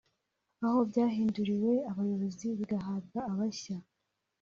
aho byahinduriwe abayobozi bigahabwa abashya